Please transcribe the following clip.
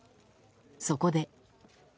そこで。